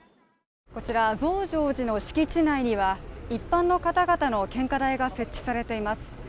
こちら増上寺の敷地内には一般の方々の献花台が設置されています。